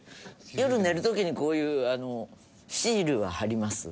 夜寝る時にこういうシールは貼ります。